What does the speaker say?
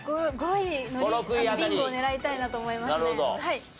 ５位のビンゴを狙いたいなと思いますね。